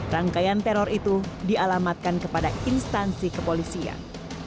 rangkaian teror itu dialamatkan kepada instansi kepolisian